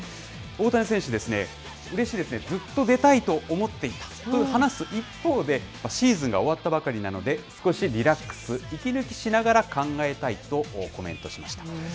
大谷選手、うれしいですね、ずっと出たいと思っていたと話す一方で、シーズンが終わったばかりなので、少しリラックス、息抜きしながら考えたいとコメントしました。